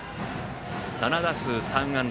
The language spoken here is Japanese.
７打数３安打。